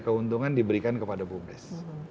keuntungan diberikan kepada bumdes